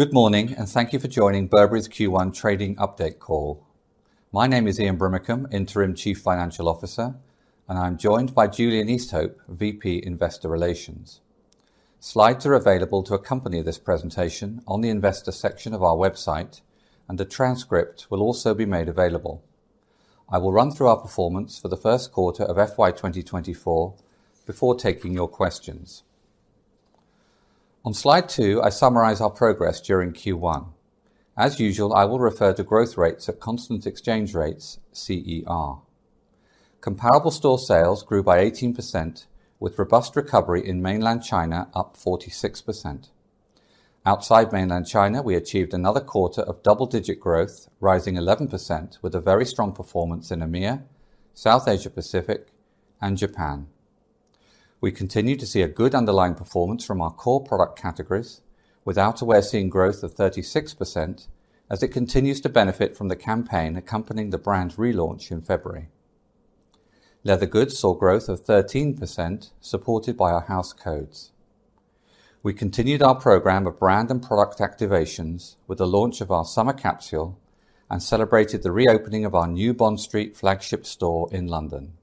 Good morning. Thank you for joining Burberry's Q1 trading update call. My name is Ian Brimicombe, Interim Chief Financial Officer, and I'm joined by Julian Easthope, VP Investor Relations. Slides are available to accompany this presentation on the investor section of our website, and a transcript will also be made available. I will run through our performance for the first quarter of FY 2024 before taking your questions. On slide 2, I summarize our progress during Q1. As usual, I will refer to growth rates at constant exchange rates, CER. Comparable store sales grew by 18%, with robust recovery in Mainland China, up 46%. Outside Mainland China, we achieved another quarter of double-digit growth, rising 11%, with a very strong performance in EMEA, South Asia Pacific, and Japan. We continue to see a good underlying performance from our core product categories, with outerwear seeing growth of 36% as it continues to benefit from the campaign accompanying the brand's relaunch in February. Leather goods saw growth of 13%, supported by our house codes. We continued our program of brand and product activations with the launch of our summer capsule and celebrated the reopening of our new Bond Street flagship store in London.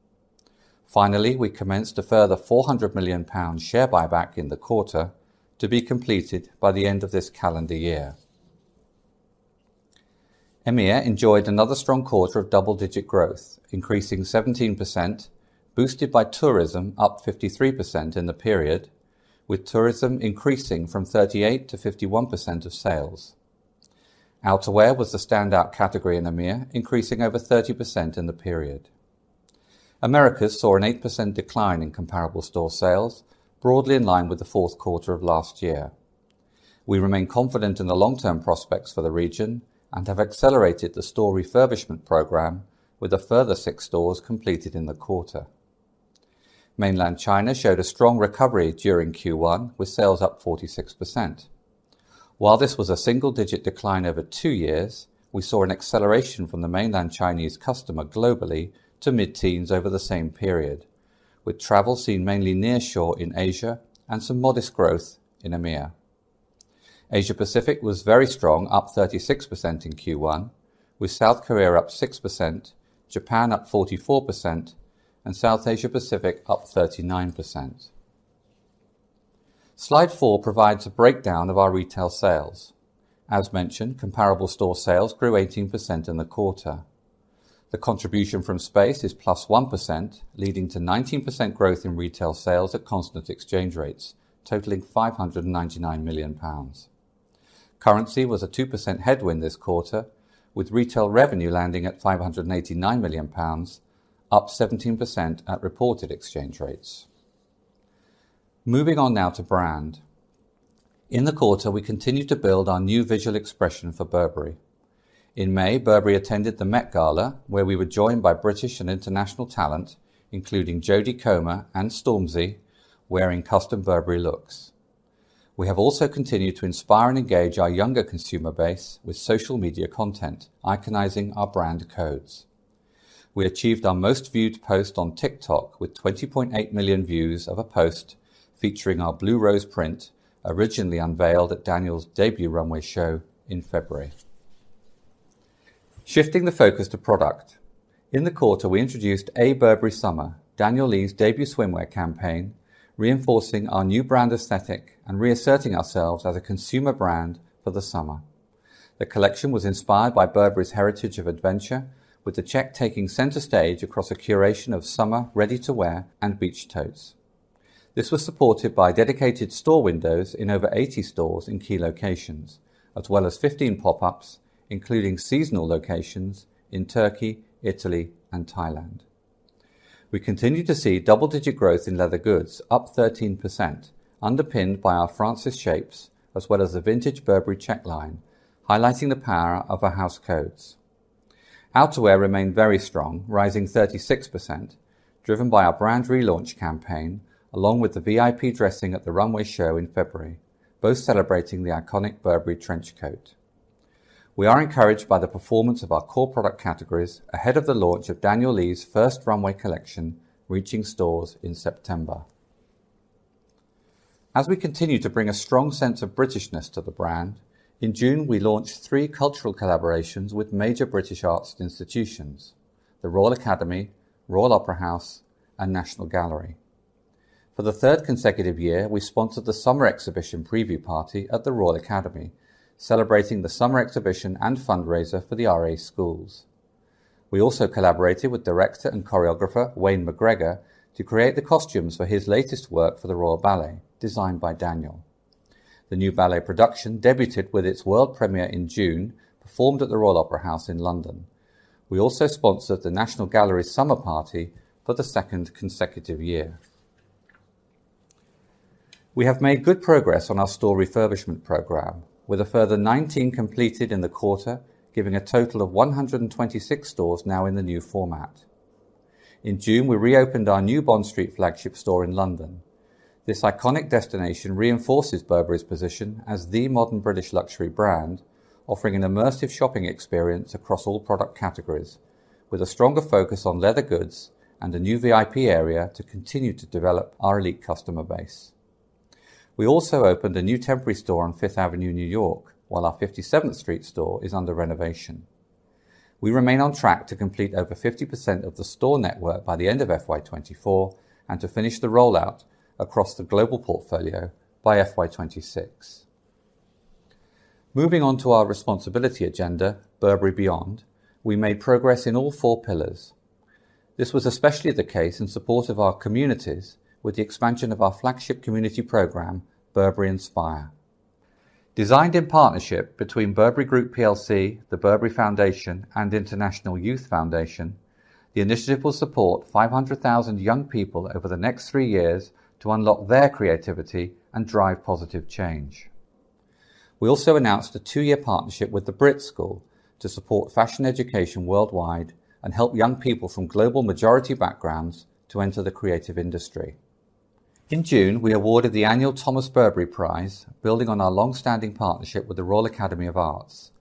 Finally, we commenced a further 400 million pound share buyback in the quarter to be completed by the end of this calendar year. EMEA enjoyed another strong quarter of double-digit growth, increasing 17%, boosted by tourism, up 53% in the period, with tourism increasing from 38%-51% of sales. Outerwear was the standout category in EMEA, increasing over 30% in the period. Americas saw an 8% decline in comparable store sales, broadly in line with the fourth quarter of last year. We remain confident in the long-term prospects for the region and have accelerated the store refurbishment program, with a further 6 stores completed in the quarter. Mainland China showed a strong recovery during Q1, with sales up 46%. While this was a single-digit decline over two years, we saw an acceleration from the Mainland Chinese customer globally to mid-teens over the same period, with travel seen mainly near shore in Asia and some modest growth in EMEA. Asia Pacific was very strong, up 36% in Q1, with South Korea up 6%, Japan up 44%, and South Asia Pacific up 39%. Slide 4 provides a breakdown of our retail sales. As mentioned, comparable store sales grew 18% in the quarter. The contribution from space is +1%, leading to 19% growth in retail sales at constant exchange rates, totaling 599 million pounds. Currency was a 2% headwind this quarter, with retail revenue landing at 589 million pounds, up 17% at reported exchange rates. Moving on now to brand. In the quarter, we continued to build our new visual expression for Burberry. In May, Burberry attended the Met Gala, where we were joined by British and international talent, including Jodie Comer and Stormzy, wearing custom Burberry looks. We have also continued to inspire and engage our younger consumer base with social media content, iconizing our brand codes. We achieved our most-viewed post on TikTok with 20.8 million views of a post featuring our blue rose print, originally unveiled at Daniel's debut runway show in February. Shifting the focus to product. In the quarter, we introduced A Burberry Summer, Daniel Lee's debut swimwear campaign, reinforcing our new brand aesthetic and reasserting ourselves as a consumer brand for the summer. The collection was inspired by Burberry's heritage of adventure, with the check taking center stage across a curation of summer ready-to-wear and beach totes. This was supported by dedicated store windows in over 80 stores in key locations, as well as 15 pop-ups, including seasonal locations in Turkey, Italy, and Thailand. We continue to see double-digit growth in leather goods, up 13%, underpinned by our Frances shapes, as well as the Vintage Check line, highlighting the power of our house codes. Outerwear remained very strong, rising 36%, driven by our brand relaunch campaign, along with the VIP dressing at the runway show in February, both celebrating the iconic Burberry trench coat. We are encouraged by the performance of our core product categories ahead of the launch of Daniel Lee's first runway collection, reaching stores in September. As we continue to bring a strong sense of Britishness to the brand, in June, we launched 3 cultural collaborations with major British arts institutions: the Royal Academy, Royal Opera House, and National Gallery. For the 3rd consecutive year, we sponsored the Summer Exhibition Preview Party at the Royal Academy, celebrating the summer exhibition and fundraiser for the RA Schools. We also collaborated with director and choreographer Wayne McGregor to create the costumes for his latest work for the Royal Ballet, designed by Daniel. The new ballet production debuted with its world premiere in June, performed at the Royal Opera House in London. We also sponsored the National Gallery Summer Party for the 2nd consecutive year. We have made good progress on our store refurbishment program, with a further 19 completed in the quarter, giving a total of 126 stores now in the new format. In June, we reopened our new Bond Street flagship store in London. This iconic destination reinforces Burberry's position as the modern British luxury brand, offering an immersive shopping experience across all product categories, with a stronger focus on leather goods and a new VIP area to continue to develop our elite customer base. We also opened a new temporary store on Fifth Avenue, New York, while our 57th Street store is under renovation. We remain on track to complete over 50% of the store network by the end of FY 2024, and to finish the rollout across the global portfolio by FY 2026. Moving on to our responsibility agenda, Burberry Beyond, we made progress in all four pillars. This was especially the case in support of our communities, with the expansion of our flagship community program, Burberry Inspire. Designed in partnership between Burberry Group PLC, The Burberry Foundation, and International Youth Foundation, the initiative will support 500,000 young people over the next three years to unlock their creativity and drive positive change. We also announced a two-year partnership with The BRIT School to support fashion education worldwide and help young people from global majority backgrounds to enter the creative industry. In June, we awarded the annual Thomas Burberry Prize, building on our long-standing partnership with the Royal Academy of Arts.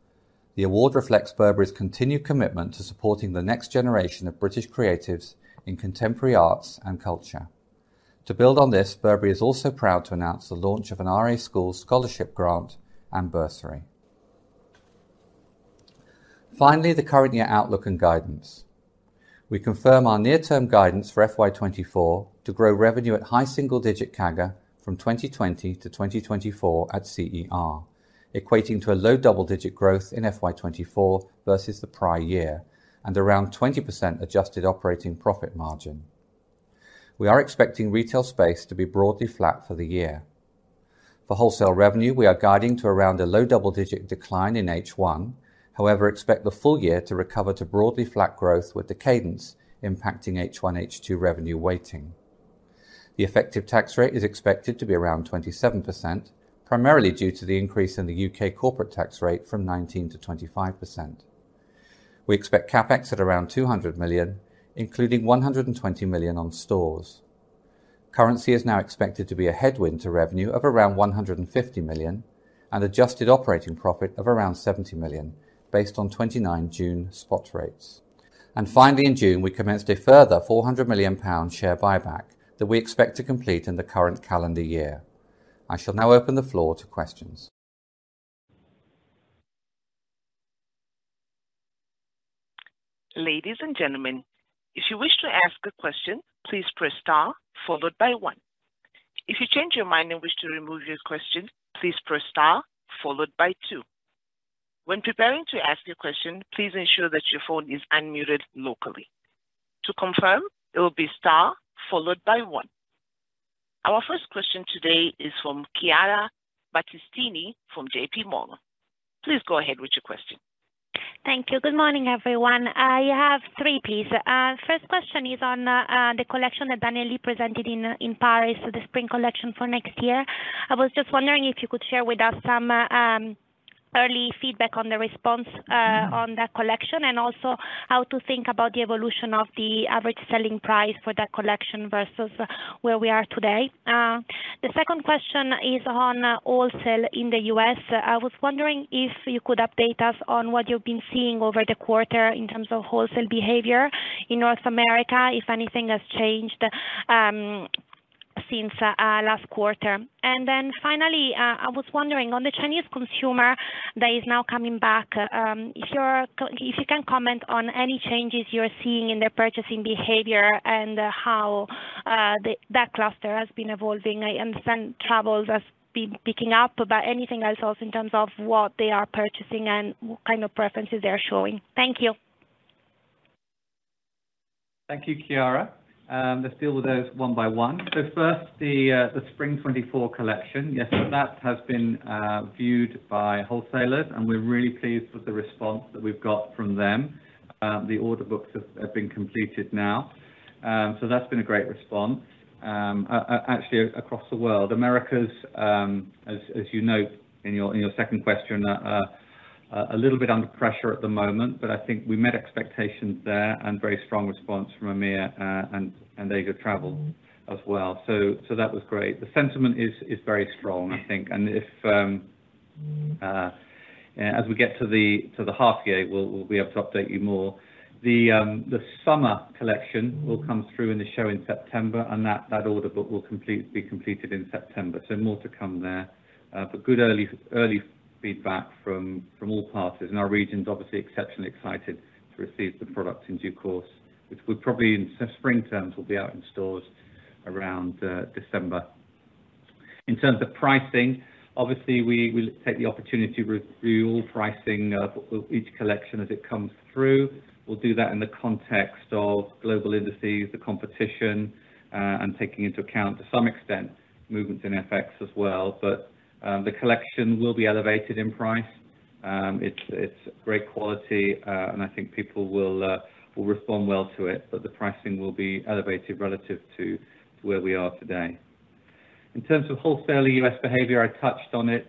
The award reflects Burberry's continued commitment to supporting the next generation of British creatives in contemporary arts and culture. To build on this, Burberry is also proud to announce the launch of an RA Schools Scholarship Grant and Bursary. The current year outlook and guidance. We confirm our near-term guidance for FY 2024 to grow revenue at high single-digit CAGR from 2020 to 2024 at CER, equating to a low double-digit growth in FY 2024 versus the prior year, and around 20% adjusted operating profit margin. We are expecting retail space to be broadly flat for the year. For wholesale revenue, we are guiding to around a low double-digit decline in H1. Expect the full year to recover to broadly flat growth, with the cadence impacting H1, H2 revenue weighting. The effective tax rate is expected to be around 27%, primarily due to the increase in the U.K. corporate tax rate from 19% to 25%. We expect Capex at around 200 million, including 120 million on stores. Currency is now expected to be a headwind to revenue of around 150 million and adjusted operating profit of around 70 million, based on 29 June spot rates. Finally, in June, we commenced a further 400 million pound share buyback that we expect to complete in the current calendar year. I shall now open the floor to questions. Ladies and gentlemen, if you wish to ask a question, please press Star followed by one. If you change your mind and wish to remove your question, please press Star followed by two. When preparing to ask your question, please ensure that your phone is unmuted locally. To confirm, it will be Star followed by one. Our first question today is from Chiara Battistini from J.P. Morgan. Please go ahead with your question. Thank you. Good morning, everyone. I have three, please. First question is on the collection that Daniel Lee presented in Paris, so the spring collection for next year. I was just wondering if you could share with us some early feedback on the response on that collection, and also how to think about the evolution of the average selling price for that collection versus where we are today. The second question is on wholesale in the U.S. I was wondering if you could update us on what you've been seeing over the quarter in terms of wholesale behavior in North America, if anything has changed since last quarter? Finally, I was wondering on the Chinese consumer that is now coming back, if you can comment on any changes you're seeing in their purchasing behavior and how that cluster has been evolving. I understand travel has been picking up, but anything else also in terms of what they are purchasing and what kind of preferences they are showing? Thank you. Thank you, Chiara. Let's deal with those one by one. First, the Spring 24 collection. Yes, that has been viewed by wholesalers, and we're really pleased with the response that we've got from them. The order books have been completed now. That's been a great response. Actually, across the world. Americas, as you note in your second question, a little bit under pressure at the moment, but I think we met expectations there and very strong response from EMEA and Asia travel as well. That was great. The sentiment is very strong, I think, and if as we get to the half year, we'll be able to update you more. The summer collection will come through in the show in September, and that order book will be completed in September. More to come there, but good early feedback from all parties. Our region's obviously exceptionally excited to receive the product in due course, which will probably in spring terms, will be out in stores around December. In terms of pricing, obviously, we will take the opportunity to review all pricing of each collection as it comes through. We'll do that in the context of global indices, the competition, and taking into account, to some extent, movements in FX as well. The collection will be elevated in price. It's great quality, and I think people will respond well to it, but the pricing will be elevated relative to where we are today. In terms of wholesale U.S. behavior, I touched on it.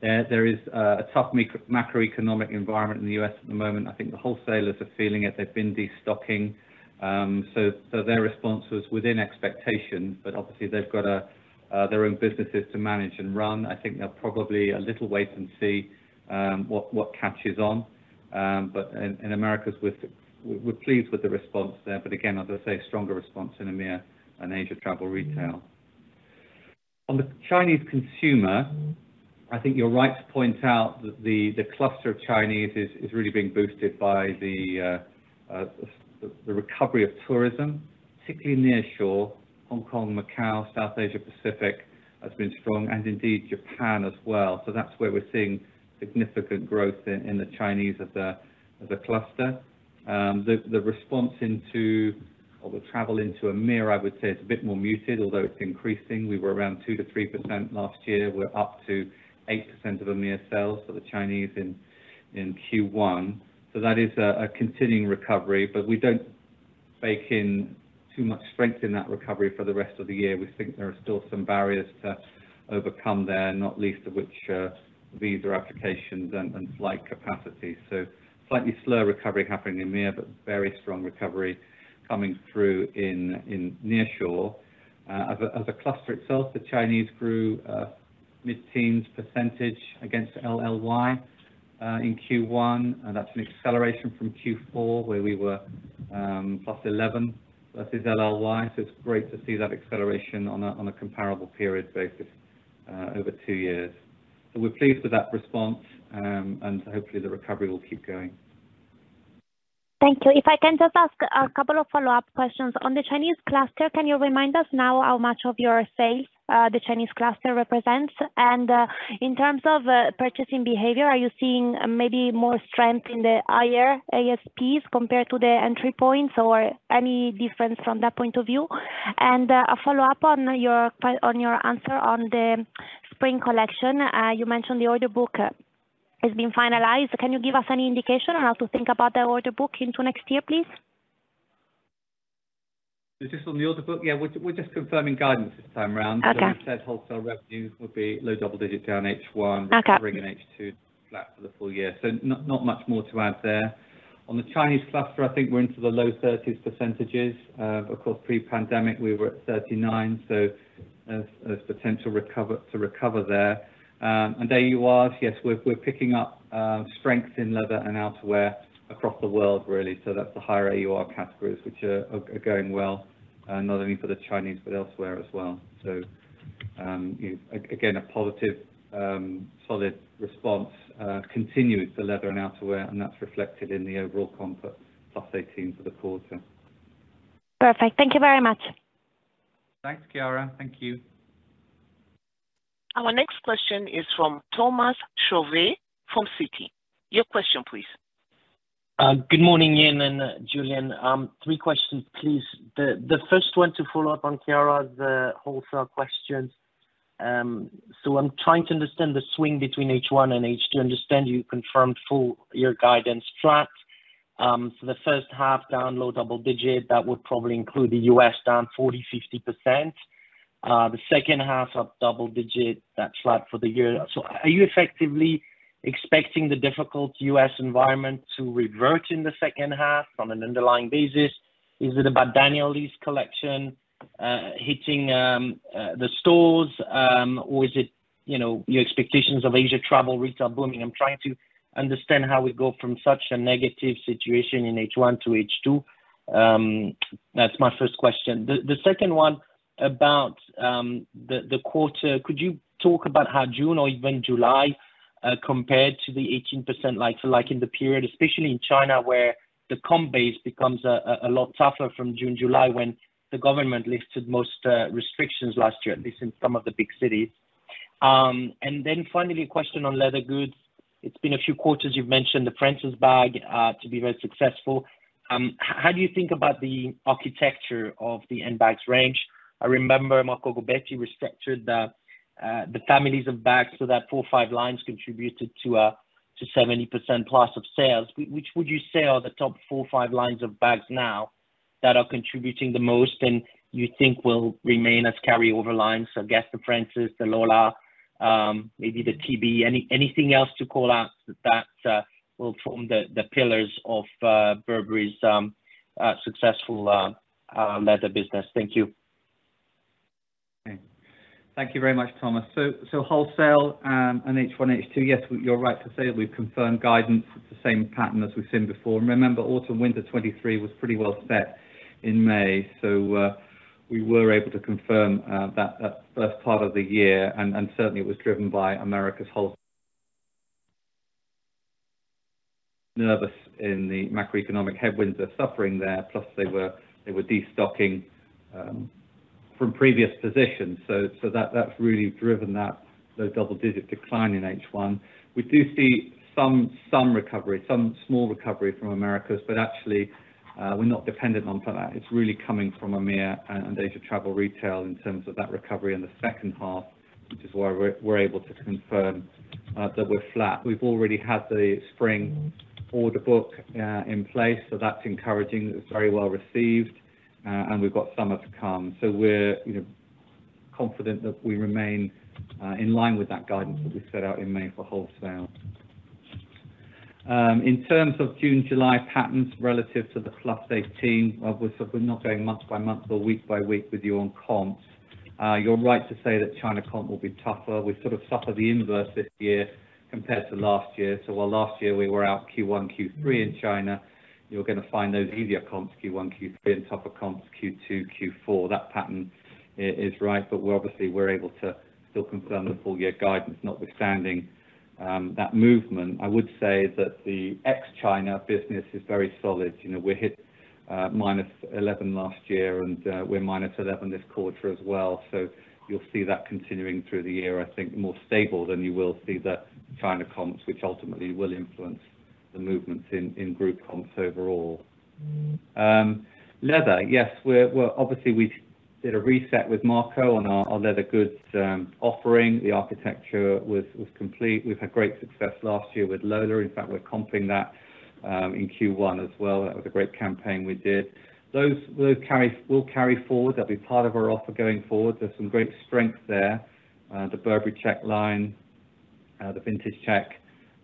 There is a tough macroeconomic environment in the U.S. at the moment. I think the wholesalers are feeling it. They've been destocking. Their response was within expectation, but obviously, they've got their own businesses to manage and run. I think they'll probably a little wait and see, what catches on. In Americas, we're pleased with the response there. Again, as I say, stronger response in EMEA and Asia travel retail. On the Chinese consumer, I think you're right to point out that the cluster of Chinese is really being boosted by the recovery of tourism, particularly nearshore, Hong Kong, Macau, South Asia-Pacific, has been strong, and indeed, Japan as well. That's where we're seeing significant growth in the Chinese as a cluster. The response into, or the travel into EMEA, I would say it's a bit more muted, although it's increasing. We were around 2%-3% last year. We're up to 8% of EMEA sales for the Chinese in Q1, that is a continuing recovery. We don't bake in too much strength in that recovery for the rest of the year. We think there are still some barriers to overcome there, not least of which are visa applications and flight capacity. Slightly slower recovery happening in EMEA, but very strong recovery coming through in nearshore. As a cluster itself, the Chinese grew mid-teens % against LLY in Q1, and that's an acceleration from Q4, where we were +11 versus LLY. It's great to see that acceleration on a comparable period basis over two years. We're pleased with that response, and hopefully, the recovery will keep going. Thank you. If I can just ask a couple of follow-up questions. On the Chinese cluster, can you remind us now how much of your sales the Chinese cluster represents? In terms of purchasing behavior, are you seeing maybe more strength in the higher ASPs compared to the entry points, or any difference from that point of view? A follow-up on your answer on the spring collection. You mentioned the order book has been finalized. Can you give us any indication on how to think about the order book into next year, please? Just on the order book, yeah, we're just confirming guidance this time around. Okay. We've said wholesale revenues will be low double digit down H1. Okay recovering in H2, flat for the full year. Not much more to add there. On the Chinese cluster, I think we're into the low 30s%. Of course, pre-pandemic, we were at 39, so there's potential to recover there. AURs, yes, we're picking up strength in leather and outerwear across the world, really. That's the higher AUR categories, which are going well, not only for the Chinese, but elsewhere as well. You know, again, a positive, solid response continues the leather and outerwear, and that's reflected in the overall comp +18 for the quarter. Perfect. Thank you very much. Thanks, Kiara. Thank you. Our next question is from Thomas Chauvet from Citi. Your question please. Good morning, Ian and Julian. 3 questions, please. The first one to follow up on Chiara's wholesale question. I'm trying to understand the swing between H1 and H2, understand you confirmed full-year guidance track. For the first half down, low double digit, that would probably include the U.S. down 40%-50%. The second half, up double digit, that's flat for the year. Are you effectively expecting the difficult U.S. environment to revert in the second half on an underlying basis? Is it about Daniel Lee's collection hitting the stores? Is it, you know, your expectations of Asia travel retail blooming? I'm trying to understand how we go from such a negative situation in H1 to H2. That's my first question. The second one about the quarter. Could you talk about how June or even July, compared to the 18% like in the period, especially in China, where the comp base becomes a lot tougher from June, July, when the government lifted most restrictions last year, at least in some of the big cities? Finally, a question on leather goods. It's been a few quarters, you've mentioned the Francis bag to be very successful. How do you think about the architecture of the end bags range? I remember Marco Gobbetti restructured the families of bags so that four, five lines contributed to 70%+ of sales. Which would you say are the top four, five lines of bags now that are contributing the most and you think will remain as carryover lines? I guess the Frances, the Lola, maybe the TB. Anything else to call out that will form the pillars of Burberry's successful leather business? Thank you. Thank you very much, Thomas. Wholesale, H1, H2, yes, you're right to say we've confirmed guidance, the same pattern as we've seen before. Remember, autumn/winter 23 was pretty well set in May, we were able to confirm that first part of the year, and certainly it was driven by Americas nervous in the macroeconomic headwinds are suffering there, plus they were destocking from previous positions. That's really driven those double-digit decline in H1. We do see some recovery, some small recovery from Americas, actually, we're not dependent on for that. It's really coming from EMEA and Asia travel retail in terms of that recovery in the second half, which is why we're able to confirm that we're flat. We've already had the spring order book, in place, that's encouraging. It's very well received, and we've got summer to come. We're, you know, confident that we remain, in line with that guidance that we set out in May for wholesale. In terms of June, July patterns relative to the +18, we're not going month by month or week by week with you on comp. You're right to say that China comp will be tougher. We've sort of suffered the inverse this year compared to last year. While last year we were out Q1, Q3 in China, you're gonna find those easier comps, Q1, Q3, and tougher comps, Q2, Q4. That pattern is right, we're obviously, we're able to still confirm the full year guidance, notwithstanding, that movement. I would say that the ex-China business is very solid. You know, we hit -11% last year, and we're -11% this quarter as well. You'll see that continuing through the year, I think, more stable than you will see the China comps, which ultimately will influence the movements in group comps overall. Leather, yes, we're obviously, we did a reset with Marco on our on leather goods offering. The architecture was complete. We've had great success last year with Lola. In fact, we're comping that in Q1 as well. That was a great campaign we did. Those will carry forward. They'll be part of our offer going forward. There's some great strength there. The Burberry check line, the Vintage Check,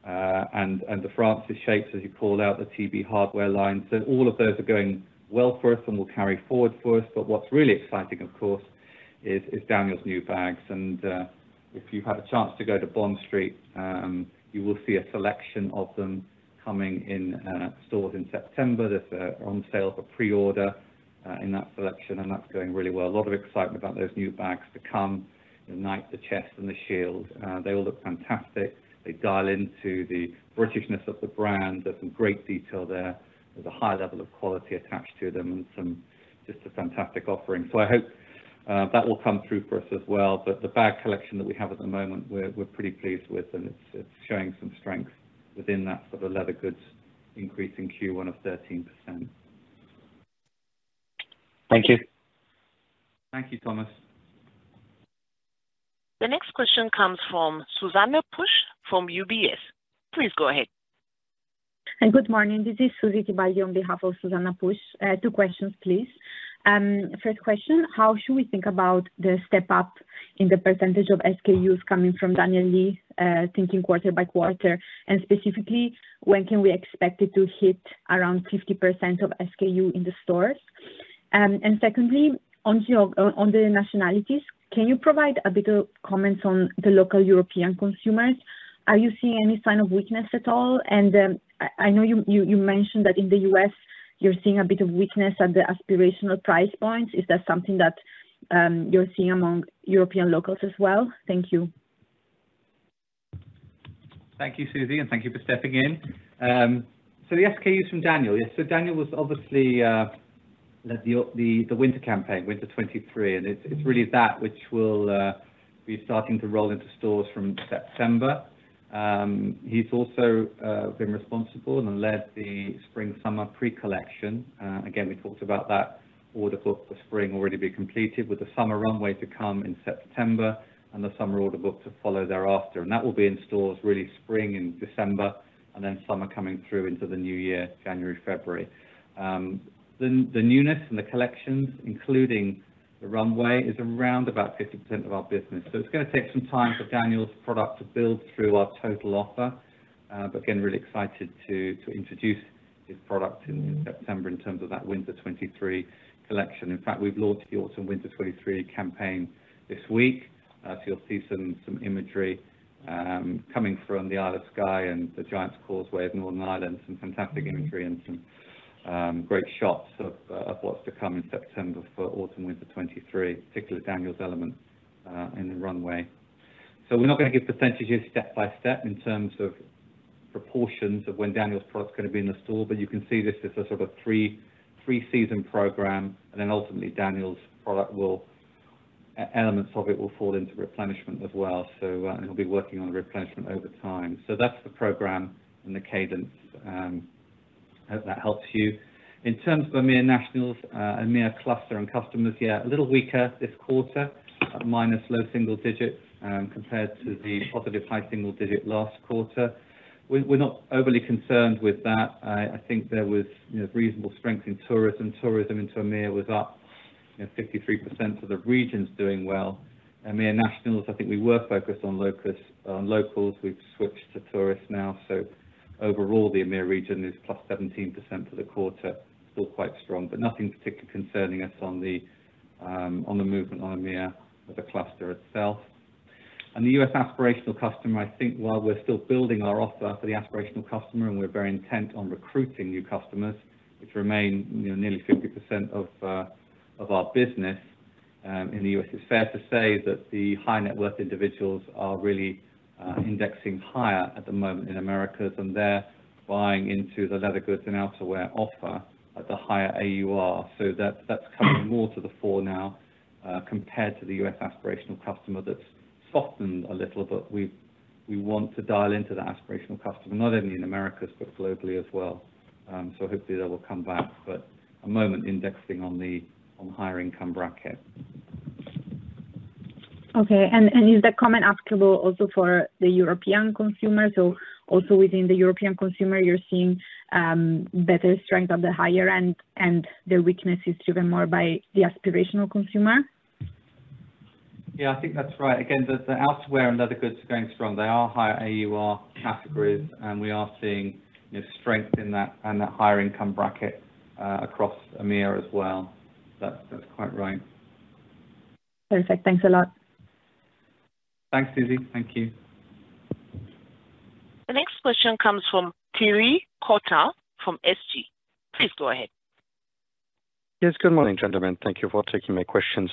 and the Frances shapes, as you called out, the TB hardware line. All of those are going well for us and will carry forward for us. What's really exciting, of course, is Daniel's new bags, and if you've had a chance to go to Bond Street, you will see a selection of them coming in stores in September. That's on sale for preorder in that selection, and that's going really well. A lot of excitement about those new bags to come, the Knight, the Chest, and the Shield. They all look fantastic. They dial into the Britishness of the brand. There's some great detail there. There's a high level of quality attached to them. Just a fantastic offering. I hope that will come through for us as well. The bag collection that we have at the moment, we're pretty pleased with, and it's showing some strength within that sort of leather goods increase in Q1 of 13%. Thank you. Thank you, Thomas. The next question comes from Zuzanna Pusz from UBS. Please go ahead. Good morning, this is Susy Tibaldi on behalf of Zuzanna Pusz. Two questions, please. First question, how should we think about the step up in the percentage of SKUs coming from Daniel Lee, thinking quarter by quarter? Specifically, when can we expect it to hit around 50% of SKU in the stores? Secondly, on the nationalities, can you provide a bit of comments on the local European consumers? Are you seeing any sign of weakness at all? I know you mentioned that in the U.S., you're seeing a bit of weakness at the aspirational price points. Is that something that you're seeing among European locals as well? Thank you. Thank you, Susy, and thank you for stepping in. The SKUs from Daniel. Daniel was obviously led the winter campaign, winter 23, and it's really that which will be starting to roll into stores from September. He's also been responsible and led the spring/summer pre-collection. Again, we talked about that order book for spring already being completed, with the summer runway to come in September and the summer order book to follow thereafter. That will be in stores really spring in December, summer coming through into the new year, January, February. The newness in the collections, including the runway, is around about 50% of our business. It's going to take some time for Daniel's product to build through our total offer, but again, really excited to introduce his product in September in terms of that winter 23 collection. In fact, we've launched the autumn/winter 23 campaign this week, so you'll see some imagery coming from the Isle of Skye and the Giant's Causeway of Northern Ireland. Some fantastic imagery and some great shots of what's to come in September for autumn/winter 23, particularly Daniel's element in the runway. We're not going to give percentages step by step in terms of proportions of when Daniel's product is going to be in the store, but you can see this as a sort of a three-season program, and then ultimately, elements of it will fall into replenishment as well. He'll be working on replenishment over time. That's the program and the cadence. I hope that helps you. In terms of Amir Nationals, Amir cluster and customers, yeah, a little weaker this quarter, at -low single digits, compared to the +high single digit last quarter. We're not overly concerned with that. I think there was, you know, reasonable strength in tourism. Tourism in Amir was up, you know, 53%, so the region's doing well. Amir Nationals, I think we were focused on locals. We've switched to tourists now, overall, the Amir region is +17% for the quarter. Still quite strong, but nothing particularly concerning us on the movement on Amir or the cluster itself. The U.S. aspirational customer, I think while we're still building our offer for the aspirational customer, and we're very intent on recruiting new customers, which remain, you know, nearly 50% of our business in the U.S., it's fair to say that the high-net-worth individuals are really indexing higher at the moment in Americas, and they're buying into the leather goods and outerwear offer at the higher AUR. That's coming more to the fore now, compared to the U.S. aspirational customer that's softened a little, but we want to dial into that aspirational customer, not only in Americas, but globally as well. Hopefully, that will come back, but at the moment indexing on the higher income bracket. Is that comment applicable also for the European consumer? Also within the European consumer, you're seeing better strength on the higher end, and the weakness is driven more by the aspirational consumer? Yeah, I think that's right. The outerwear and other goods are going strong. They are higher AUR categories. We are seeing, you know, strength in that and that higher income bracket, across EMEA as well. That's quite right. Perfect. Thanks a lot. Thanks, Susy. Thank you. The next question comes from Thierry Cota from SG. Please go ahead. Yes, good morning, gentlemen. Thank you for taking my questions.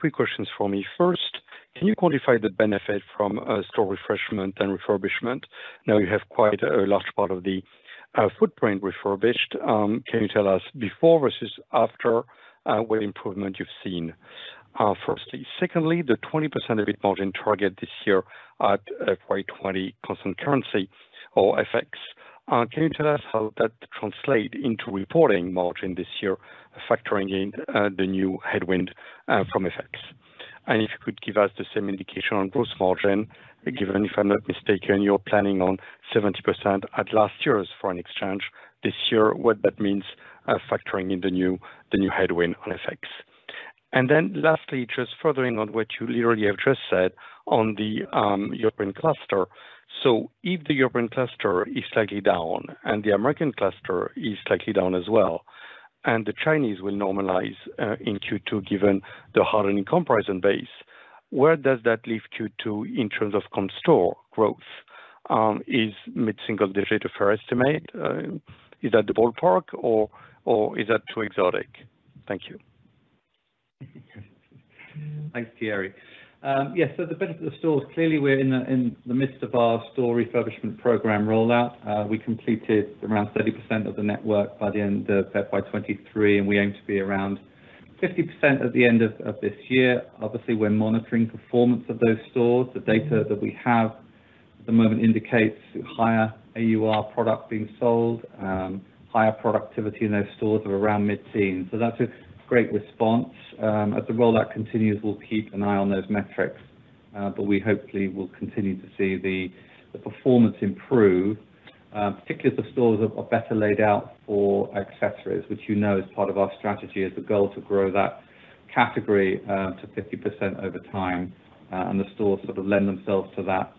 Three questions for me. First, can you quantify the benefit from store refreshment and refurbishment? Now you have quite a large part of the footprint refurbished. Can you tell us before versus after what improvement you've seen, firstly? Secondly, the 20% EBIT margin target this year at FY 2020 constant currency or FX, can you tell us how that translate into reporting margin this year, factoring in the new headwind from FX? If you could give us the same indication on gross margin, given, if I'm not mistaken, you're planning on 70% at last year's foreign exchange. This year, what that means, factoring in the new, the new headwind on FX. Lastly, just furthering on what you literally have just said on the European cluster. If the European cluster is slightly down, and the American cluster is slightly down as well, and the Chinese will normalize in Q2, given the harder comparison base, where does that leave Q2 in terms of comp store growth? Is mid-single digit a fair estimate? Is that the ballpark, or is that too exotic? Thank you. Thanks, Thierry. Yes, the benefit of the stores, clearly we're in the midst of our store refurbishment program rollout. We completed around 30% of the network by the end of FY 2023. We aim to be around 50% at the end of this year. Obviously, we're monitoring performance of those stores. The data that we have at the moment indicates higher AUR product being sold, higher productivity in those stores of around mid-teen. That's a great response. As the rollout continues, we'll keep an eye on those metrics, but we hopefully will continue to see the performance improve, particularly as the stores are better laid out for accessories, which you know is part of our strategy as the goal to grow that category to 50% over time, and the stores sort of lend themselves to that.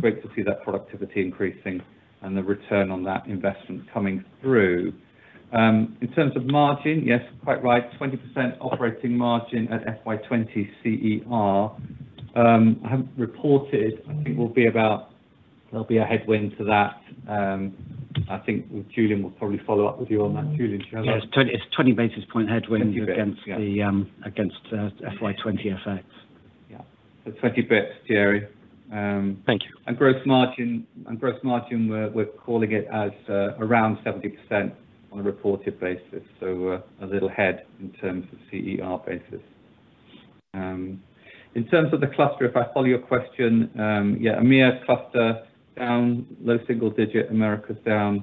Great to see that productivity increasing and the return on that investment coming through. In terms of margin, yes, quite right, 20% operating margin at FY 2020 CER. I haven't reported, I think there'll be a headwind to that. I think Julian will probably follow up with you on that. Julian, do you have that? Yes, it's 20 basis point headwind against FY 2020 FX. Yeah. 20 bits, Thierry. Thank you. Gross margin, we're calling it as around 70% on a reported basis, so a little ahead in terms of CER basis. In terms of the cluster, if I follow your question, yeah, EMEA cluster down, low single digit, Americas down,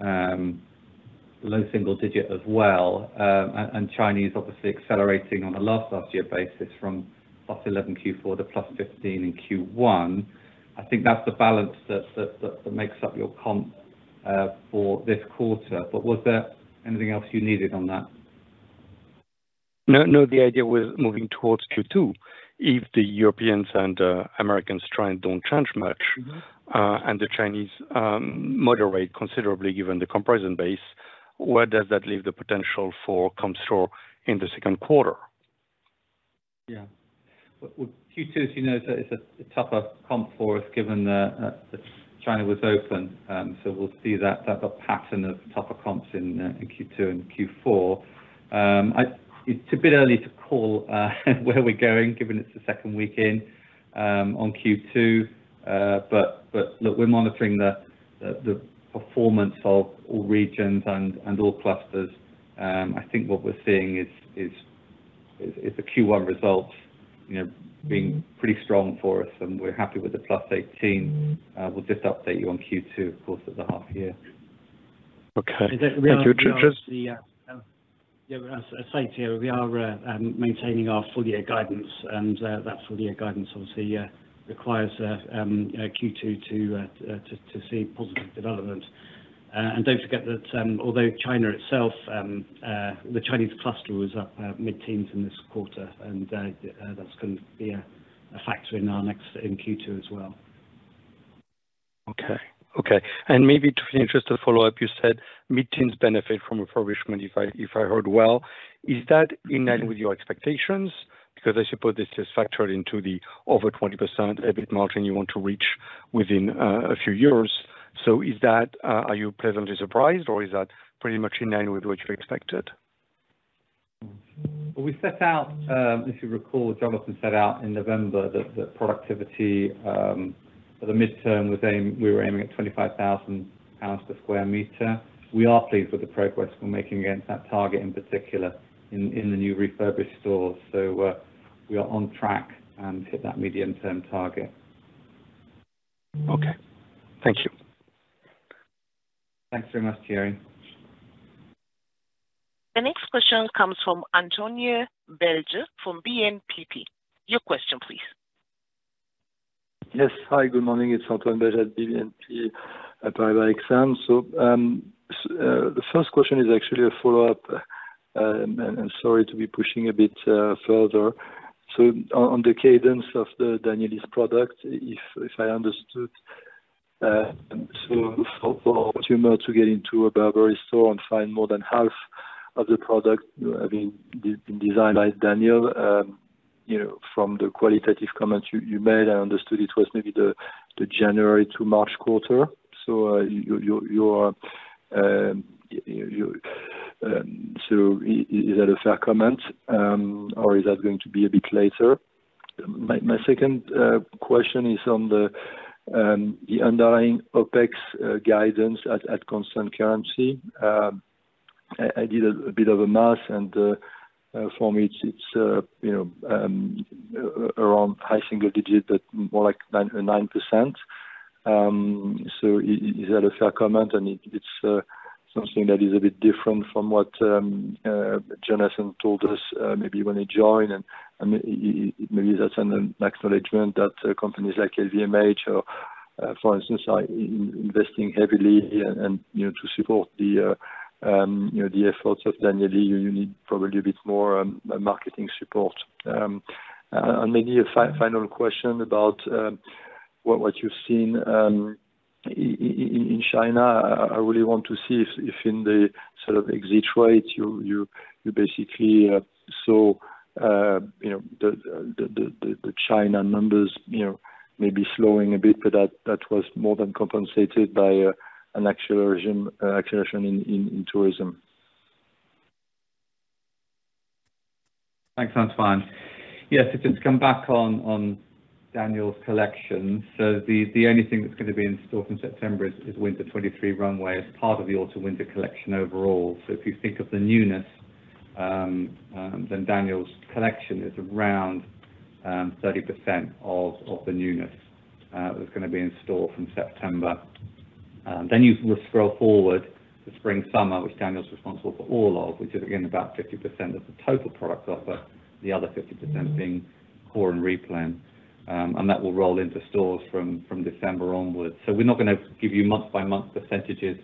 low single digit as well, and Chinese obviously accelerating on a last off year basis from +11% Q4 to +15% in Q1. I think that's the balance that makes up your comp for this quarter. Was there anything else you needed on that? No, no, the idea was moving towards Q2. If the Europeans and Americans trend don't change much. The Chinese, moderate considerably, given the comparison base, where does that leave the potential for comparable store sales in the second quarter? Well, Q2, as you know, is a tougher comp for us, given that China was open. We'll see that pattern of tougher comps in Q2 and Q4. It's a bit early to call where we're going, given it's the second week in on Q2. Look, we're monitoring the performance of all regions and all clusters. I think what we're seeing is the Q1 results, you know, being pretty strong for us, and we're happy with the +18. We'll just update you on Q2, of course, at the half year. Okay. Thank you. Yeah, as I said, Thierry, we are maintaining our full year guidance, and that full year guidance obviously requires Q2 to see positive development. Don't forget that although China itself, the Chinese cluster was up mid-teens in this quarter, and that's going to be a factor in our next in Q2 as well. Okay. Okay, maybe just an interested follow-up, you said mid-teens benefit from refurbishment, if I heard well. Is that in line with your expectations? I suppose this is factored into the over 20% EBIT margin you want to reach within a few years. Is that, are you pleasantly surprised, or is that pretty much in line with what you expected? We set out, if you recall, Jonathan set out in November that the productivity for the midterm we were aiming at 25,000 pounds per square meter. We are pleased with the progress we're making against that target, in particular in the new refurbished stores. We are on track and hit that medium-term target. Okay. Thank you. Thanks very much, Thierry. The next question comes from Antoine Belge from BNPP. Your question, please. Yes. Hi, good morning, it's Antoine Belge, BNPP by Exane. The first question is actually a follow-up, and I'm sorry to be pushing a bit further. On the cadence of the Daniel Lee product, if I understood, so for a customer to get into a Burberry store and find more than half of the product, you know, I mean, designed by Daniel, you know, from the qualitative comments you made, I understood it was maybe the January to March quarter. You're, is that a fair comment, or is that going to be a bit later? My second question is on the underlying OpEx guidance at constant currency. Um, I, I did a, a bit of a math, and, uh, uh, for me, it's, it's, uh, you know, um, a-around high single digit, but more like nine, uh, nine percent. Um, so i-is that a fair comment? And it, it's, uh, something that is a bit different from what, um, uh, Jonathan told us, uh, maybe when he joined, and, and, i-i- maybe that's an acknowledgement that, uh, companies like LVMH are, uh, for instance, are i-investing heavily and, and, you know, to support the, um, you know, the efforts of Daniel Lee, you need probably a bit more, um, marketing support. Um, uh, and maybe a fi-final question about, um, what, what you've seen, um, i-i-i-in China. I really want to see if in the sort of exit rate, you basically saw, you know, the China numbers, you know, maybe slowing a bit, but that was more than compensated by an acceleration in tourism. Thanks, Antoine. Yes, if it's come back on Daniel's collection. The only thing that's gonna be in store from September is Winter 23 runway as part of the Autumn/Winter collection overall. If you think of the newness, then Daniel's collection is around 30% of the newness that's gonna be in store from September. You will scroll forward to Spring/Summer, which Daniel's responsible for all of, which is, again, about 50% of the total product offer, the other 50% being core and replan. That will roll into stores from December onwards. We're not gonna give you month-by-month percentages,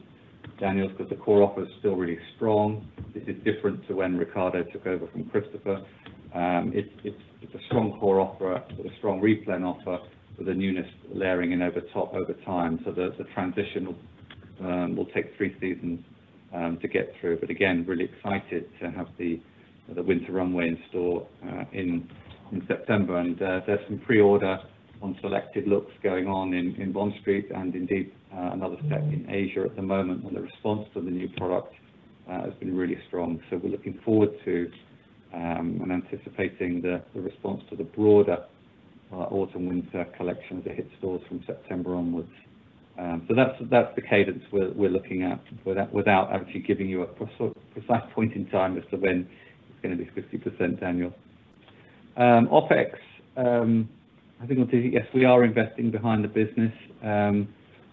Daniel's, because the core offer is still really strong. This is different to when Ricardo took over from Christopher. It's a strong core offer, a strong replan offer, with the newness layering in over top over time. The transition will take three seasons to get through. Again, really excited to have the winter runway in store in September. There's some pre-order on selected looks going on in Bond Street and indeed, another set in Asia at the moment. The response to the new product has been really strong. We're looking forward to and anticipating the response to the broader Autumn/Winter collection as it hit stores from September onwards. That's the cadence we're looking at, without actually giving you a sort of exact point in time as to when it's gonna be 50% annual. OpEx, I think. Yes, we are investing behind the business.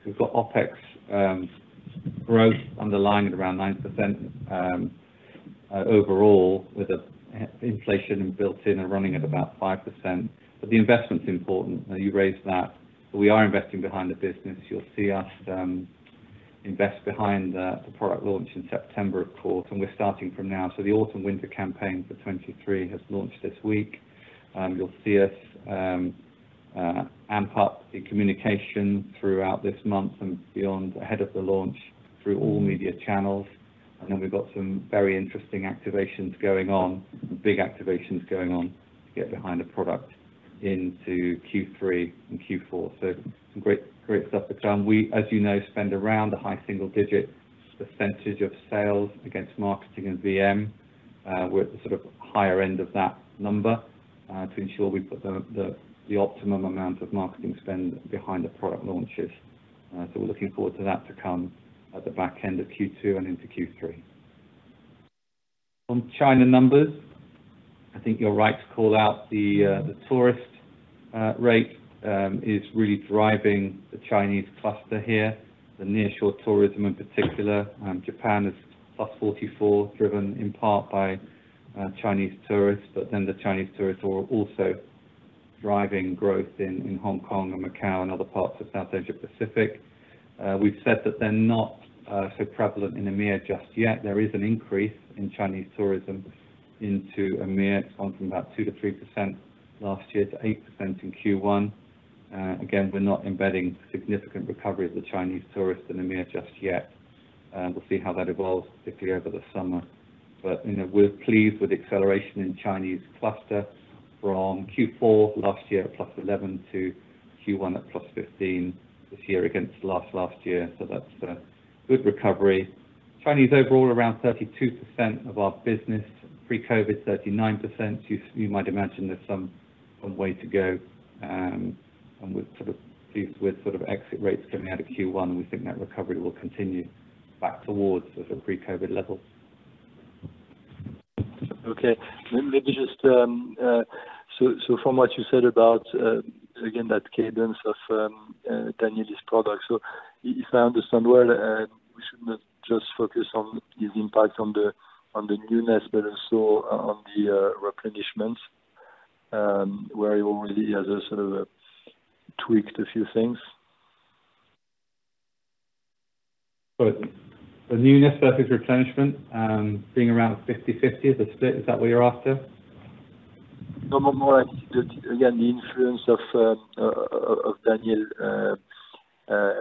We've got OpEx growth underlying at around 9% overall, with inflation built in and running at about 5%. The investment's important. Now, you raised that. We are investing behind the business. You'll see us invest behind the product launch in September, of course, and we're starting from now. The Autumn/Winter campaign for 23 has launched this week. You'll see us amp up the communication throughout this month and beyond, ahead of the launch, through all media channels. Then we've got some very interesting activations going on, big activations going on, to get behind the product into Q3 and Q4. Some great stuff to come. We, as you know, spend around a high single-digit percentage of sales against marketing and VM. We're at the sort of higher end of that number to ensure we put the optimum amount of marketing spend behind the product launches. We're looking forward to that to come at the back end of Q2 and into Q3. On China numbers, I think you're right to call out the tourist rate is really driving the Chinese cluster here, the nearshore tourism in particular. Japan is +44%, driven in part by Chinese tourists, the Chinese tourists are also driving growth in Hong Kong and Macau and other parts of South Asia Pacific. We've said that they're not so prevalent in EMEA just yet. There is an increase in Chinese tourism into EMEA. It's gone from about 2%-3% last year to 8% in Q1. Again, we're not embedding significant recovery of the Chinese tourists in EMEA just yet. We'll see how that evolves, particularly over the summer. You know, we're pleased with the acceleration in Chinese cluster from Q4 last year, at +11%, to Q1 at +15% this year against last year. That's a good recovery. Chinese overall, around 32% of our business, pre-COVID, 39%. You might imagine there's some way to go. We're sort of pleased with exit rates coming out of Q1, and we think that recovery will continue back towards the pre-COVID levels. Let me just. From what you said about again, that cadence of Daniel Lee's product. If I understand well, should not just focus on his impact on the newness, but also on the replenishments, where he already has sort of tweaked a few things. Good. The newness versus replenishment, being around 50/50, the split, is that what you're after? No, no, more like, again, the influence of Daniel.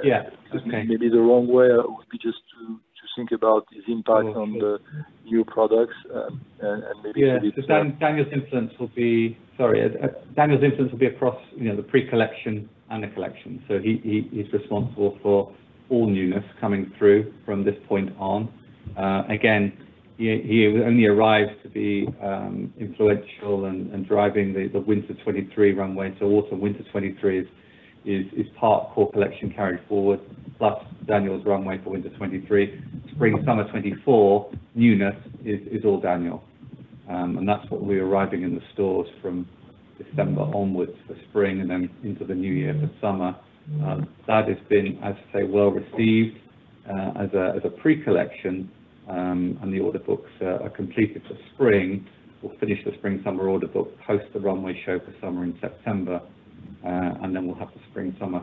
Yeah. Okay. Maybe the wrong way would be just to think about his impact on the new products. Daniel's influence will be across, you know, the pre-collection and the collection. He's responsible for all newness coming through from this point on. Again, he only arrived to be influential and driving the winter 2023 runway. Autumn/winter 2023 is part core collection carried forward, plus Daniel's runway for winter 2023. Spring/summer 2024, newness is all Daniel. That's what we're arriving in the stores from December onwards for spring and then into the new year for summer. That has been, I'd say, well received as a pre-collection, and the order books are completed for spring. We'll finish the spring/summer order book, post the runway show for summer in September, then we'll have the spring/summer,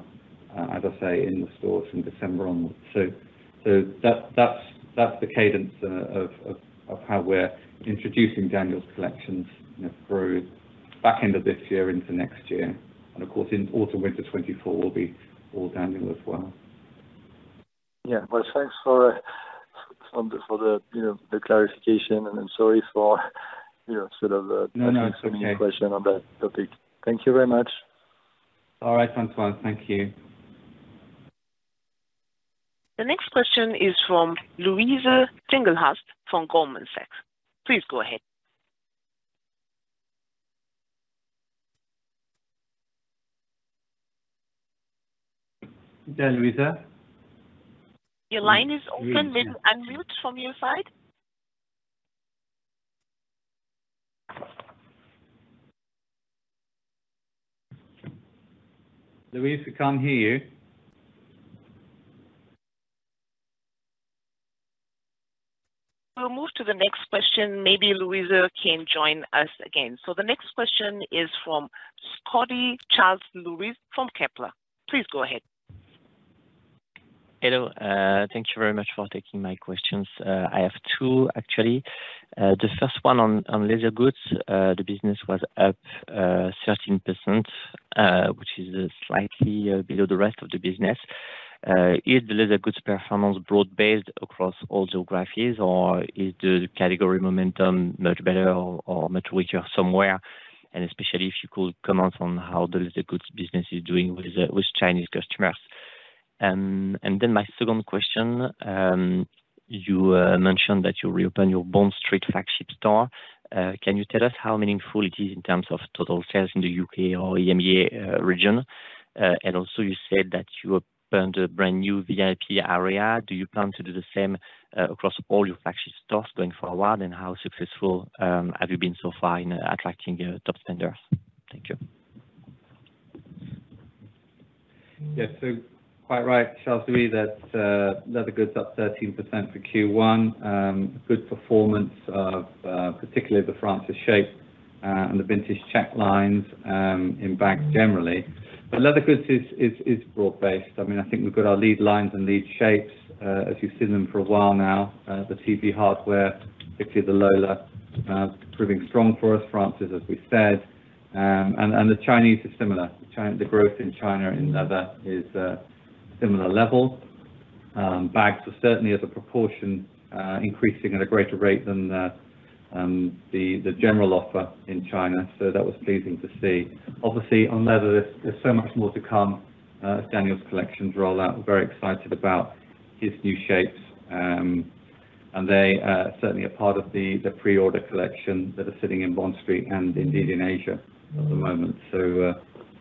as I say, in the stores from December onwards. That's the cadence of how we're introducing Daniel's collections, you know, through back end of this year into next year. Of course, in autumn/winter 2024 will be all Daniel as well. Yeah. Well, thanks for the, you know, the clarification, and I'm sorry for, you know, sort of. No, no, it's okay. asking so many question on that topic. Thank you very much. All right, Antoine, thank you. The next question is from Louise Singlehurst from Goldman Sachs. Please go ahead. Hello, Louisa? Your line is open. Maybe unmute from your side. Louise, we can't hear you. We'll move to the next question. Maybe Louise can join us again. The next question is from Charles-Louis Scotti from Kepler Cheuvreux. Please go ahead. Hello, thank you very much for taking my questions. I have two actually. The first one on leather goods. The business was up 13%, which is slightly below the rest of the business. Is the leather goods performance broad-based across all geographies, or is the category momentum much better or much weaker somewhere? Especially if you could comment on how the leather goods business is doing with Chinese customers. My second question, you mentioned that you reopen your Bond Street flagship store. Can you tell us how meaningful it is in terms of total sales in the UK or EMEA region? You said that you opened a brand-new VIP area. Do you plan to do the same across all your flagship stores going forward? How successful have you been so far in attracting top spenders? Thank you. Quite right, Charles Louis, that leather goods up 13% for Q1. Good performance of particularly the Frances shape and the Vintage Check lines in bags generally. Leather goods is broad-based. I think we've got our lead lines and lead shapes as you've seen them for a while now. The TB hardware, particularly the Lola, proving strong for us, Frances, as we said. The Chinese is similar. The growth in China, in leather is a similar level. Bags are certainly as a proportion increasing at a greater rate than the general offer in China, so that was pleasing to see. On leather, there's so much more to come as Daniel's collections roll out. We're very excited about his new shapes. They are certainly a part of the pre-order collection that are sitting in Bond Street and indeed in Asia at the moment.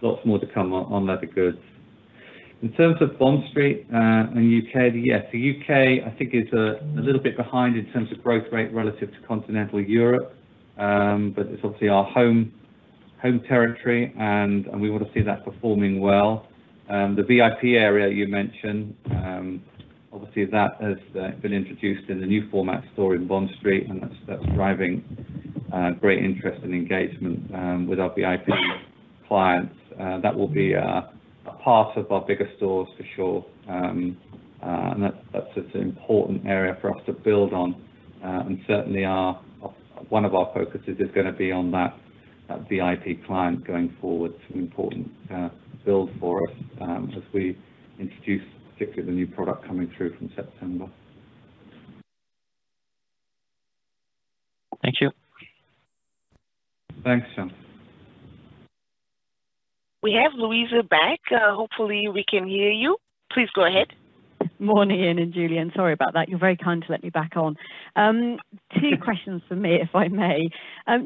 Lots more to come on leather goods. In terms of Bond Street and U.K. Yes, the U.K. I think is a little bit behind in terms of growth rate relative to Continental Europe. It's obviously our home territory, and we want to see that performing well. The VIP area you mentioned, obviously, that has been introduced in the new format store in Bond Street, and that's driving great interest and engagement with our VIP clients. That will be a part of our bigger stores for sure. That's just an important area for us to build on, and certainly one of our focuses is gonna be on that VIP client going forward, an important build for us as we introduce particularly the new product coming through from September. Thank you. Thanks, Charles. We have Louise back. Hopefully, we can hear you. Please go ahead. Morning, Ian and Julian. Sorry about that. You're very kind to let me back on. Two questions from me, if I may.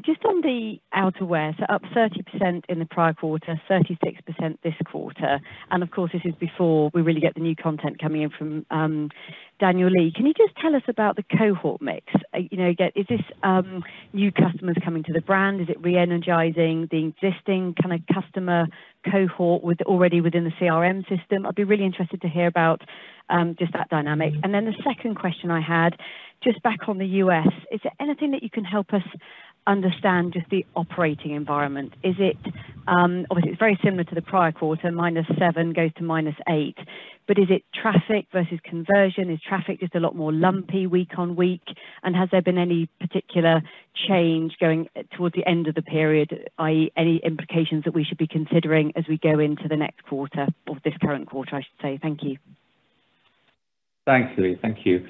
Just on the outerwear, so up 30% in the prior quarter, 36% this quarter, and of course, this is before we really get the new content coming in from Daniel Lee. Can you just tell us about the cohort mix? You know, again, is this new customers coming to the brand? Is it re-energizing the existing kind of customer cohort already within the CRM system? I'd be really interested to hear about just that dynamic. The second question I had, just back on the U.S., is there anything that you can help us understand, just the operating environment? Is it Obviously, it's very similar to the prior quarter, -7%, goes to -8%. Is it traffic versus conversion? Is traffic just a lot more lumpy week on week? Has there been any particular change going towards the end of the period, i.e., any implications that we should be considering as we go into the next quarter, or this current quarter, I should say? Thank you. Thanks, Louise. Thank you.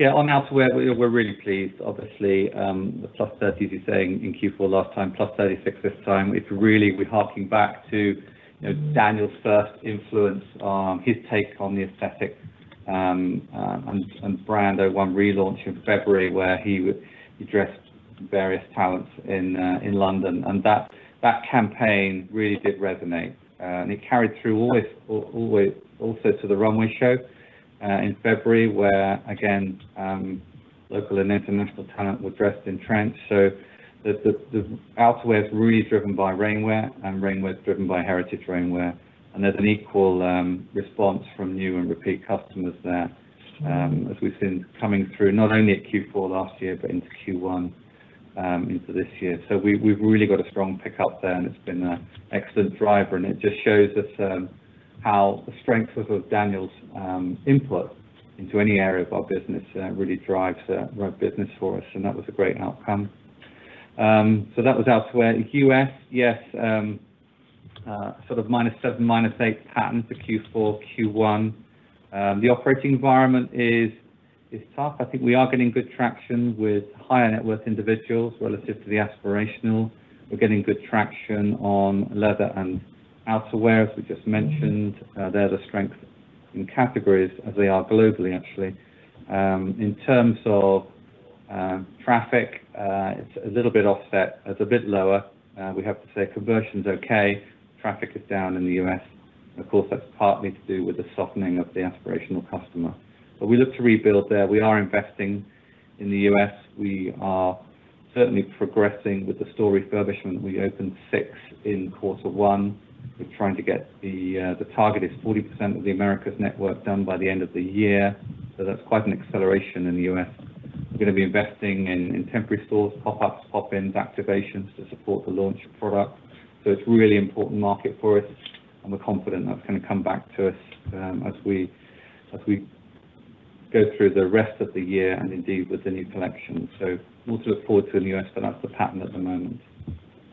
On outerwear, we're really pleased, obviously, the +30s, you're saying in Q4 last time, +36 this time. It's really, we're harking back to, you know, Daniel Lee's first influence on his take on the aesthetic and brand, that one relaunch in February, where he dressed various talents in London, and that campaign really did resonate. It carried through also to the runway show in February, where again, local and international talent were dressed in trench. The outerwear is really driven by rainwear, and rainwear is driven by heritage rainwear, and there's an equal response from new and repeat customers there, as we've seen coming through, not only at Q4 last year, but into Q1 into this year. We've really got a strong pickup there, and it's been an excellent driver, and it just shows us how the strength of Daniel's input into any area of our business really drives our business for us, and that was a great outcome. That was outerwear. U.S., yes, sort of -7, -8 patterns for Q4, Q1. The operating environment is tough. I think we are getting good traction with higher net worth individuals relative to the aspirational. We're getting good traction on leather and outerwear, as we just mentioned. They're the strength in categories as they are globally, actually. In terms of traffic, it's a little bit offset. It's a bit lower. We have to say conversion's okay, traffic is down in the U.S. Of course, that's partly to do with the softening of the aspirational customer. We look to rebuild there. We are investing in the U.S. We are certainly progressing with the store refurbishment. We opened 6 in quarter one. We're trying to get the target is 40% of the Americas network done by the end of the year, that's quite an acceleration in the U.S. We're gonna be investing in temporary stores, pop-ups, pop-ins, activations to support the launch of product. It's a really important market for us, and we're confident that's gonna come back to us as we go through the rest of the year and indeed with the new collection. We'll look forward to in the U.S., that's the pattern at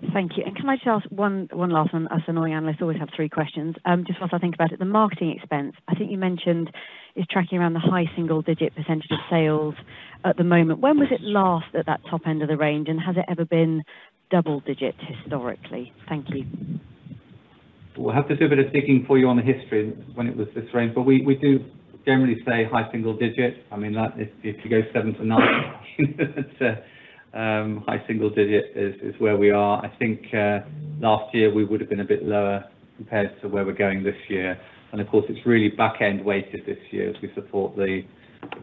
the moment. Thank you. Can I just ask one last one, as annoying analysts always have three questions. Just whilst I think about it, the marketing expense, I think you mentioned, is tracking around the high single-digit % of sales at the moment. Yes. When was it last at that top end of the range, and has it ever been double digit historically? Thank you. We'll have to do a bit of digging for you on the history when it was this range, but we do generally say high single digit. I mean, like if you go 7-9, high single digit is where we are. I think last year we would have been a bit lower compared to where we're going this year. Of course, it's really back-end weighted this year as we support the